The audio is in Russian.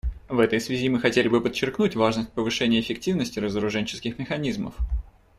В этой связи мы хотели бы подчеркнуть важность повышения эффективности разоруженческих механизмов.